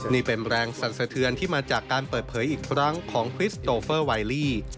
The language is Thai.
นี่เป็นแรงสั่นสะเทือนที่มาจากการเปิดเผยอีกครั้งของคริสโตเฟอร์ไวลี่